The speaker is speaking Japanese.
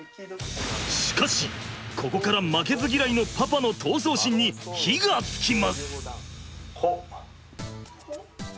しかしここから負けずギライのパパの闘争心に火がつきます。